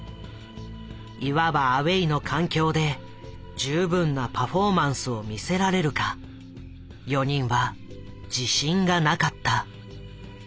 いわばアウェイの環境で十分なパフォーマンスを見せられるか４人は自信がなかった。